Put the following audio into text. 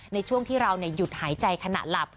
ในช่วงที่เราหยุดหายใจขณะหลับ